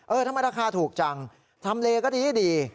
เออทำไมราคาถูกจังทำเลก็ดี